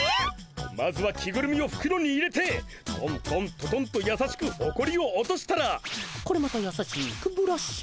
まずは着ぐるみをふくろに入れてトントントトンとやさしくほこりを落としたらこれまたやさしくブラッシングだ。